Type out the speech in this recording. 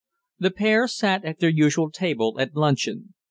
The pair sat at their usual table at luncheon.